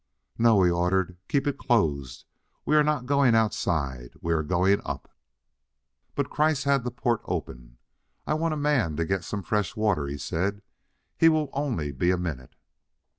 "No," he ordered: "keep it closed. We are not going outside; we are going up." But Kreiss had the port open. "I want a man to get some fresh water," he said; "he will only be a minute."